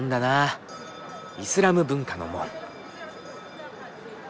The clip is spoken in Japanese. イスラム文化の門。